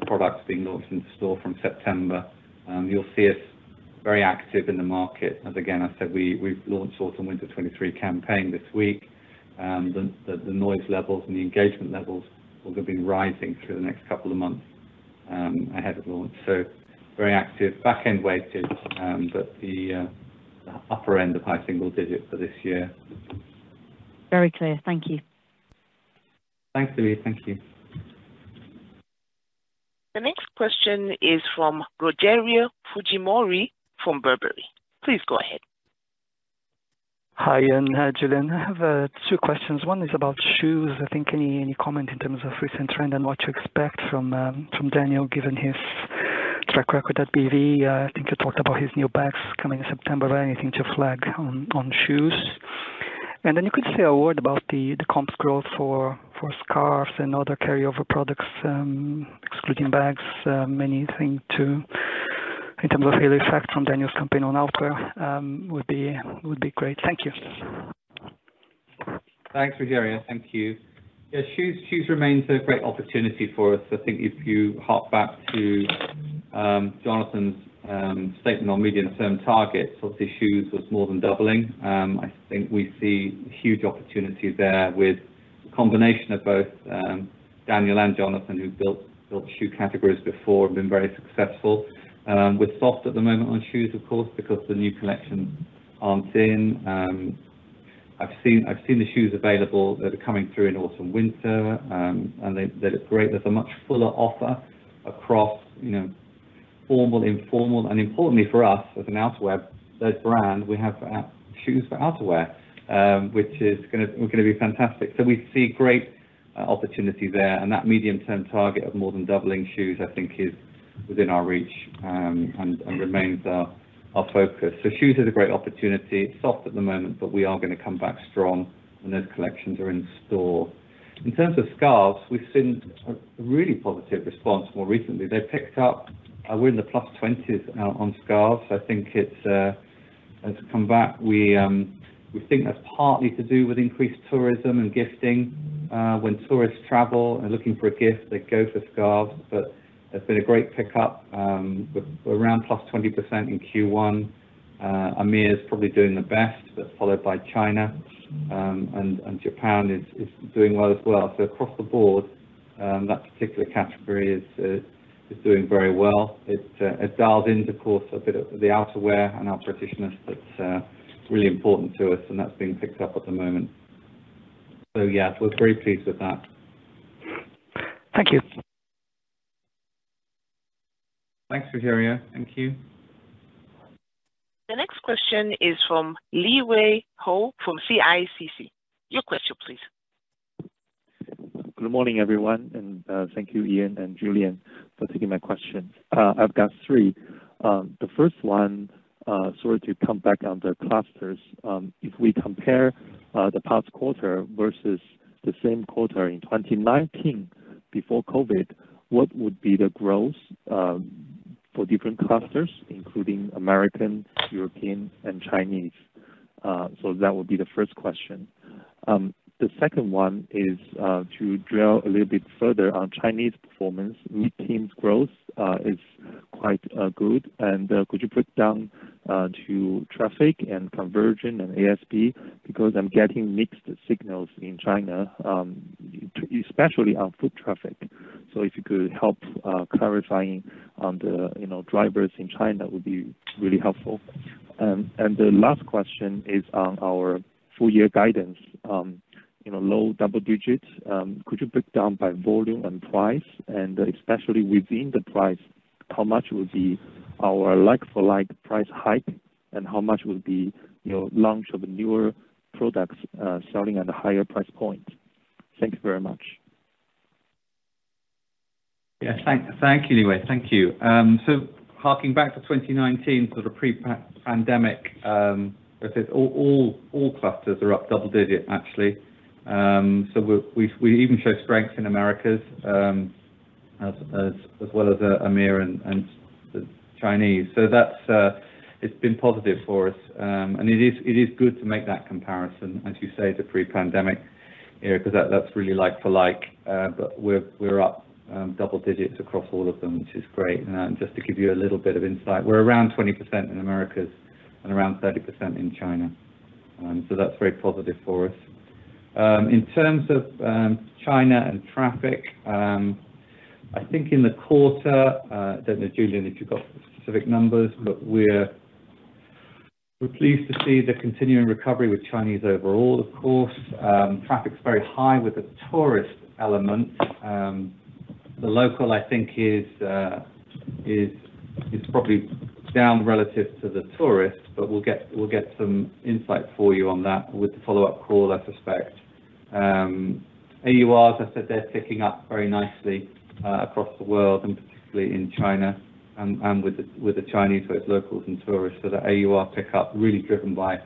products being launched in the store from September. You'll see us very active in the market. As again, I said, we've launched Autumn Winter 23 campaign this week. The noise levels and the engagement levels will have been rising through the next couple of months ahead of launch. Very active, back-end weighted, but the upper end of high single digit for this year. Very clear. Thank you. Thanks, Louise. Thank you. The next question is from Rogerio Fujimori from [Burberry]. Please go ahead. Hi, Julian, I have two questions. One is about shoes. I think any comment in terms of recent trend and what you expect from Daniel, given his track record at BV? I think you talked about his new bags coming in September. Anything to flag on shoes? You could say a word about the comps growth for scarves and other carryover products, excluding bags. In terms of halo effect from Daniel's campaign on outerwear, would be great. Thank you. Thanks, Rogerio. Thank you. Yes, shoes remains a great opportunity for us. I think if you hark back to Jonathan's statement on medium-term targets, obviously, shoes was more than doubling. I think we see huge opportunity there with the combination of both Daniel and Jonathan, who built shoe categories before and been very successful. We're soft at the moment on shoes, of course, because the new collection aren't in. I've seen the shoes available that are coming through in autumn, winter, and they look great. There's a much fuller offer across, you know, formal, informal, and importantly for us, as an outerwear brand, we have shoes for outerwear, which is gonna be fantastic. We see great opportunity there, and that medium-term target of more than doubling shoes, I think, is within our reach and remains our focus. Shoes is a great opportunity. It's soft at the moment, we are gonna come back strong when those collections are in store. In terms of scarves, we've seen a really positive response more recently. They picked up, we're in the +20s on scarves. I think it's, as we come back, we think that's partly to do with increased tourism and gifting. When tourists travel and looking for a gift, they go for scarves, there's been a great pickup with around +20% in Q1. EMEA is probably doing the best, followed by China, and Japan is doing well as well. Across the board, that particular category is doing very well. It, it dials into course a bit of the outerwear and out righteousness that's really important to us, and that's being picked up at the moment. Yeah, we're very pleased with that. Thank you. Thanks, Rogerio. Thank you. The next question is from Liwei HOU from CICC. Your question, please. Good morning, everyone. Thank you, Ian and Julian, for taking my questions. I've got three. The first one, so to come back on the clusters, if we compare the past quarter versus the same quarter in 2019, before COVID, what would be the growth for different clusters, including American, European, and Chinese? So that would be the first question. The second one is to drill a little bit further on Chinese performance. Mid-teens growth is quite good, and could you break down to traffic and conversion and ASP? Because I'm getting mixed signals in China, especially on foot traffic. If you could help clarifying on the, you know, drivers in China would be really helpful. The last question is on our full year guidance, you know, low double digits. Could you break down by volume and price, and especially within the price, how much will be our like-for-like price hike, and how much will be, you know, launch of newer products, selling at a higher price point? Thank you very much. Yes, thank you, Liwei. Thank you. Harking back to 2019, sort of pre-pandemic, as I said, all clusters are up double-digit, actually. We even show strength in Americas, as well as EMEA and the Chinese. It's been positive for us, and it is good to make that comparison, as you say, to pre-pandemic, you know, because that's really like for like, but we're up double digits across all of them, which is great. Just to give you a little bit of insight, we're around 20% in Americas and around 30% in China. That's very positive for us. In terms of China and traffic, I think in the quarter, don't know, Julian, if you got specific numbers, but we're pleased to see the continuing recovery with Chinese overall. Traffic's very high with the tourist element. The local, I think, is probably down relative to the tourist, we'll get some insight for you on that with the follow-up call, I suspect. AUR, as I said, they're ticking up very nicely across the world, and particularly in China, and with the Chinese, both locals and tourists. The AUR pick up really driven by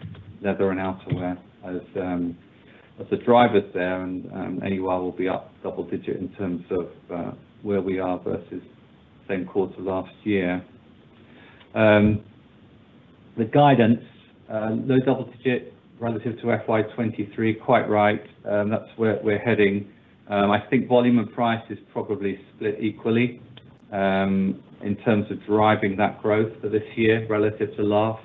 leather and outerwear as the drivers there, and AUR will be up double-digit in terms of where we are versus same quarter last year. The guidance, low double digit relative to FY 2023, quite right, that's where we're heading. I think volume and price is probably split equally in terms of driving that growth for this year relative to last,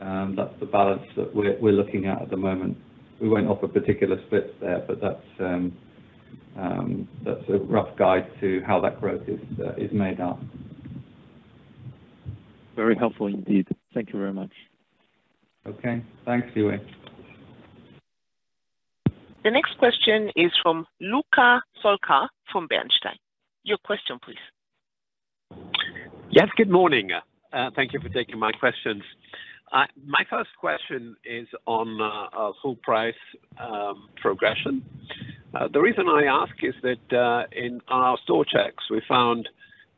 that's the balance that we're looking at at the moment. We won't offer particular splits there, but that's a rough guide to how that growth is made up. Very helpful indeed. Thank you very much. Okay, thanks, Liwei. The next question is from Luca Solca, from Bernstein. Your question, please. Yes, good morning. Thank you for taking my questions. My first question is on whole price progression. The reason I ask is that in our store checks, we found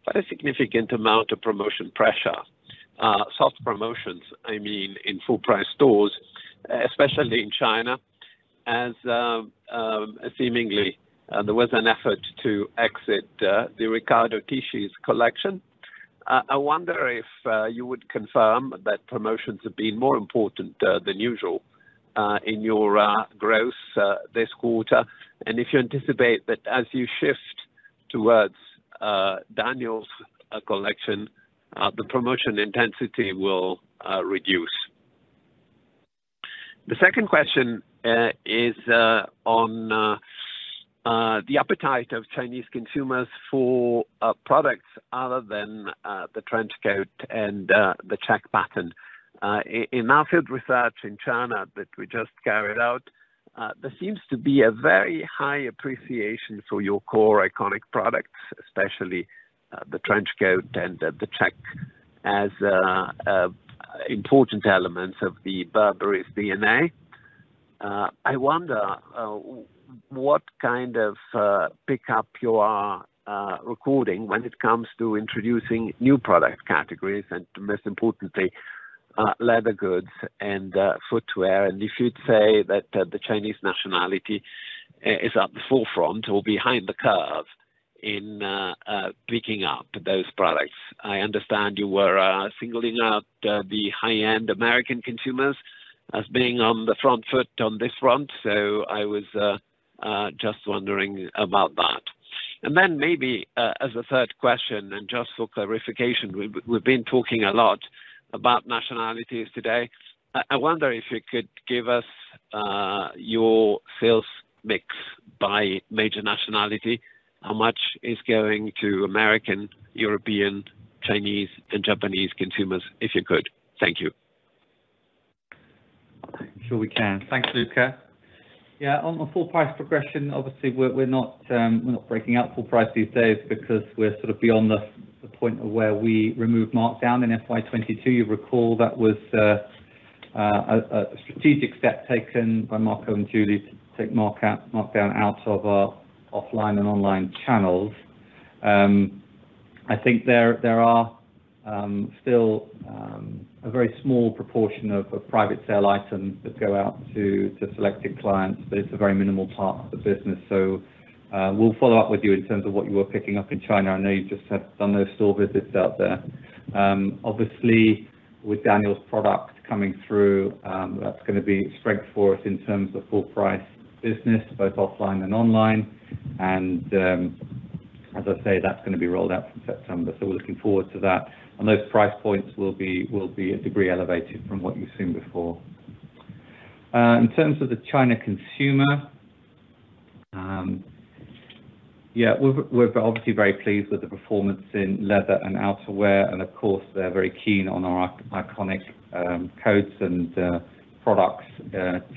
quite a significant amount of promotion pressure, soft promotions, I mean, in full price stores, especially in China, as seemingly there was an effort to exit the Riccardo Tisci's collection. I wonder if you would confirm that promotions have been more important than usual in your growth this quarter, and if you anticipate that as you shift towards Daniel's collection, the promotion intensity will reduce? The second question is on the appetite of Chinese consumers for products other than the trench coat and the check pattern. In our field research in China that we just carried out, there seems to be a very high appreciation for your core iconic products, especially the trench coat and the check as important elements of the Burberry's DNA. I wonder what kind of pick up you are recording when it comes to introducing new product categories and most importantly, leather goods and footwear, and if you'd say that the Chinese nationality is at the forefront or behind the curve in picking up those products. I understand you were singling out the high-end American consumers as being on the front foot on this front, so I was just wondering about that. Maybe as a third question, and just for clarification, we've been talking a lot about nationalities today. I wonder if you could give us your sales mix by major nationality, how much is going to American, European, Chinese, and Japanese consumers, if you could? Thank you. Sure we can. Thanks, Luca. On the full price progression, obviously, we're not breaking out full price these days because we're sort of beyond the point of where we removed markdown in FY 2022. You recall that was a strategic step taken by Marco and Julie to take markdown out of our offline and online channels. I think there are still a very small proportion of private sale items that go out to selected clients, but it's a very minimal part of the business. We'll follow up with you in terms of what you were picking up in China. I know you just have done those store visits out there. Obviously, with Daniel's product coming through, that's gonna be a strength for us in terms of full price business, both offline and online, and as I say, that's gonna be rolled out from September, so we're looking forward to that. Those price points will be a degree elevated from what you've seen before. In terms of the China consumer, yeah, we're obviously very pleased with the performance in leather and outerwear, and of course, they're very keen on our iconic coats and products,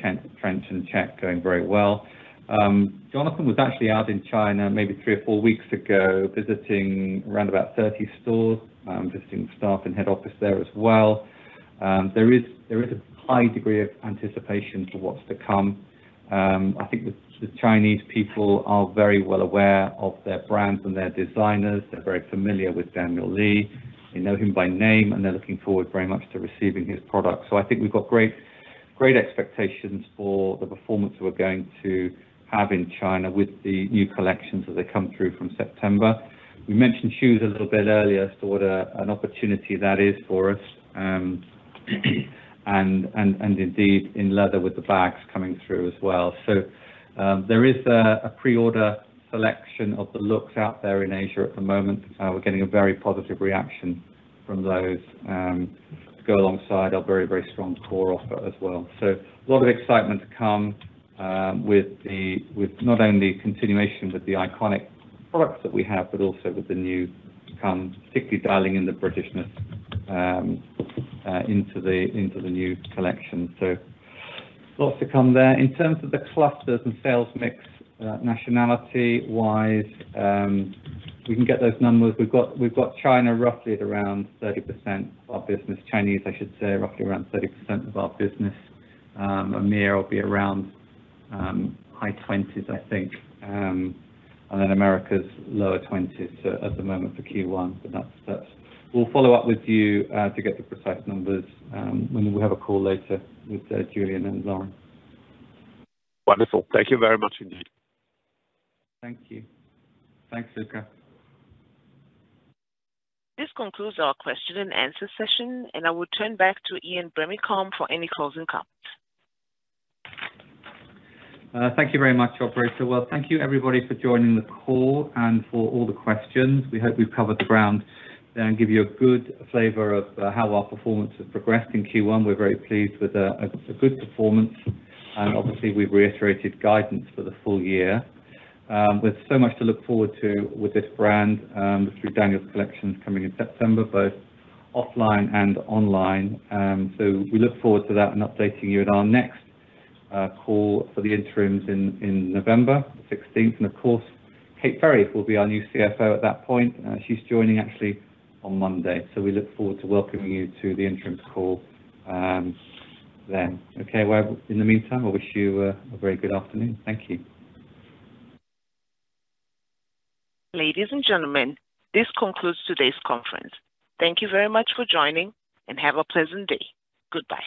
trench and check going very well. Jonathan was actually out in China maybe three or four weeks ago, visiting around about 30 stores, visiting staff in head office there as well. There is a high degree of anticipation for what's to come. I think the Chinese people are very well aware of their brands and their designers. They're very familiar with Daniel Lee. They know him by name, and they're looking forward very much to receiving his product. I think we've got great expectations for the performance we're going to have in China with the new collections as they come through from September. We mentioned shoes a little bit earlier as to what an opportunity that is for us, and indeed, in leather with the bags coming through as well. There is a pre-order selection of the looks out there in Asia at the moment. We're getting a very positive reaction from those to go alongside our very strong core offer as well. A lot of excitement to come with not only continuation with the iconic products that we have, but also with the new come, particularly dialing in the Britishness into the new collection. Lots to come there. In terms of the clusters and sales mix, nationality-wise, we can get those numbers. We've got China roughly at around 30% of our business. Chinese, I should say, roughly around 30% of our business. EMEA will be around high 20s, I think, and then Americas lower 20s, so at the moment for Q1, but that's. We'll follow up with you to get the precise numbers when we have a call later with Julian and Lauren. Wonderful. Thank you very much indeed. Thank you. Thanks, Luca. This concludes our question-and-answer session, and I will turn back to Ian Brimicombe for any closing comments. Thank you very much, operator. Well, thank you, everybody, for joining the call and for all the questions. We hope we've covered the ground and give you a good flavor of how our performance has progressed in Q1. We're very pleased with a good performance, and obviously, we've reiterated guidance for the full year. With so much to look forward to with this brand, through Daniel's collections coming in September, both offline and online, so we look forward to that and updating you at our next call for the interims in November sixteenth. Of course, Kate Ferry will be our new CFO at that point. She's joining actually on Monday, so we look forward to welcoming you to the interims call then. Well, in the meantime, I wish you a very good afternoon. Thank you. Ladies and gentlemen, this concludes today's conference. Thank you very much for joining, and have a pleasant day. Goodbye.